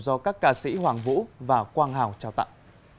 do các ca sĩ hoàng vũ và quang hào trao tặng